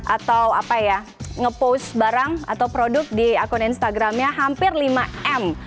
atau apa ya ngepost barang atau produk di akun instagramnya hampir lima m